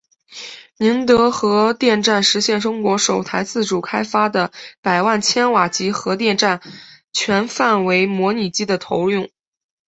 宁德核电站实现中国首台自主开发的百万千瓦级核电站全范围模拟机的投用。